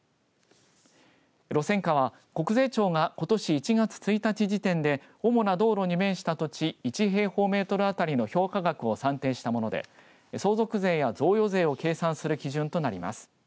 路線価は国税庁がことし１月１日時点で主な道路に面した土地１平方メートル当たりの評価額を算定したもので相続税や贈与税を計算する基準となります。